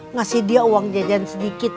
ngasih dia uang jajan sedikit